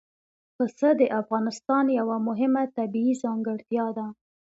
پسه د افغانستان یوه مهمه طبیعي ځانګړتیا ده.